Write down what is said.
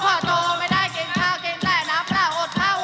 โอ้โหโอ้โหโอ้โห